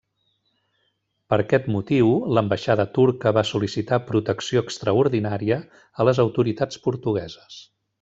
Per aquest motiu, l'ambaixada turca va sol·licitar protecció extraordinària a les autoritats portugueses.